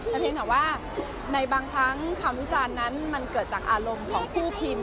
แต่เพียงแต่ว่าในบางครั้งคำวิจารณ์นั้นมันเกิดจากอารมณ์ของผู้พิมพ์